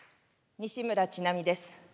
西村智奈美です。